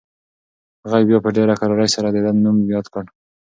غږ بیا په ډېره کرارۍ سره د ده نوم یاد کړ.